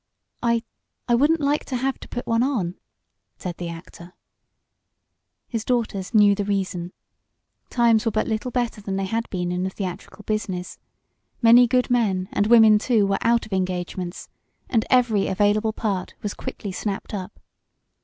"I I wouldn't like to have to put one on," said the actor. His daughters knew the reason. Times were but little better than they had been in the theatrical business. Many good men and women, too, were out of engagements, and every available part was quickly snapped up.